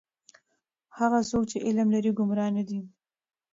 هغه څوک چې علم لري گمراه نه دی.